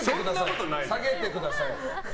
下げてください。